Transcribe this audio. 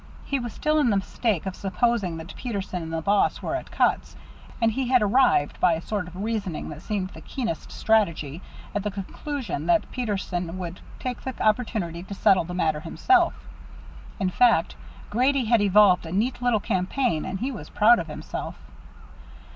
He was still in the mistake of supposing that Peterson and the boss were at outs, and he had arrived, by a sort of reasoning that seemed the keenest strategy, at the conclusion that Peterson would take the opportunity to settle the matter himself. In fact, Grady had evolved a neat little campaign, and he was proud of himself.